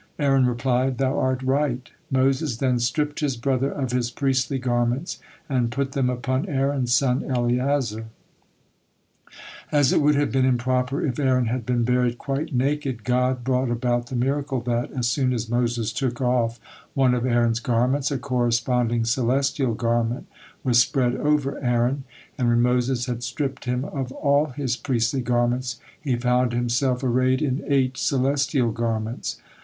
Aaron replied, "Thou art right." Moses then stripped his brother of his priestly garments, and put them upon Aaron's son, Eleazar. As it would have been improper if Aaron had been buried quite naked, God brought about the miracle that, as soon as Moses took off one of Aaron's garments, a corresponding celestial garment was spread over Aaron, and when Moses had stripped him of all his priestly garments, he found himself arrayed in eight celestial garments.